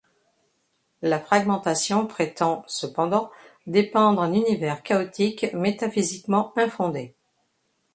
La fragmentation prétend, cependant, dépeindre un univers chaotique métaphysiquement infondé.